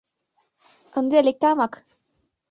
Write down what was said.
Ынде лектамак».